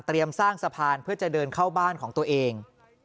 สร้างสะพานเพื่อจะเดินเข้าบ้านของตัวเอง